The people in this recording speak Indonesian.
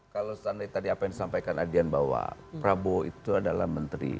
kalau seandainya tadi apa yang disampaikan adian bahwa prabowo itu adalah menteri